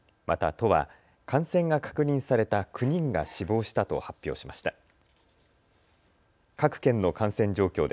また都は感染が確認された９人が死亡したと発表しました。